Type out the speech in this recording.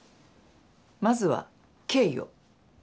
まずは経緯を。